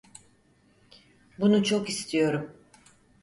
Bunu çok istiyorum.